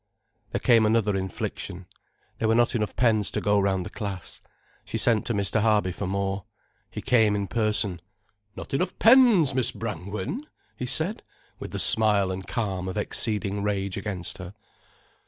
Then came another infliction. There were not enough pens to go round the class. She sent to Mr. Harby for more. He came in person. "Not enough pens, Miss Brangwen?" he said, with the smile and calm of exceeding rage against her.